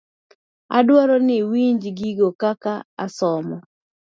Adwaro ni iwinj gigo kaka asomo.